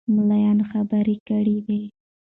ملایانو خبرې کړې وې.